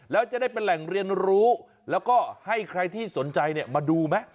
แล้วจะได้เป็นแหล่งเรียนรู้แล้วก็ให้ใครที่สนใจมาดูไหม